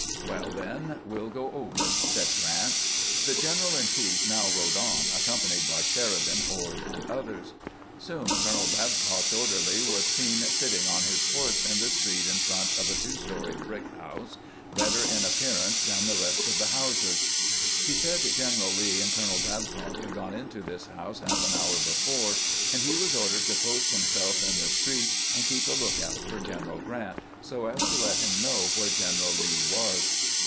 " Well, then, we 'H go over," said Grant. The general in chief now rode on, accompanied by Sheridan, Ord, and others. Soon Colonel Babcock's orderly was seen sitting on his horse in the street in front of a two story brick house, better in appearance than the rest of the houses. He said General Lee and Colonel Babcock had gone into this house half an hour before, and he was ordered to post himself in the street and keep a lookout for General Grant, so as to let him know where General Lee was.